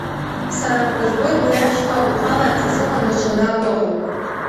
Сара агәра згоит, уи ашьха ухаларц азыҳәан даҽа мҩак ыҟоуп.